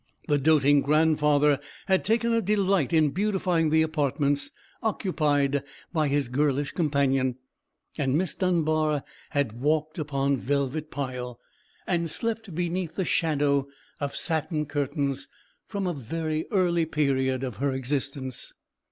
The doting grandfather had taken a delight in beautifying the apartments occupied by his girlish companion: and Miss Dunbar had walked upon velvet pile, and slept beneath the shadow of satin curtains, from a very early period of her existence.